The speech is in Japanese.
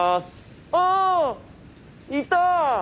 あいた！